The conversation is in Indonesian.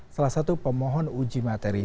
salah satu pemohon uji materi